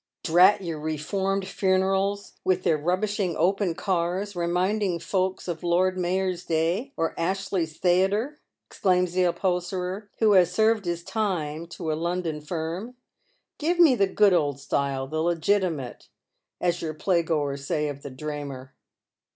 " Drat your reformed funerals — with their rubbishing open cars, reminding folks of Lord Mayor's Day, or Ashley's Theay« ter !" exclaims the upholsterer, who has served his time to ft London firm. " Give me the good old style — the legitimate, ae your playgoers say of the draymer."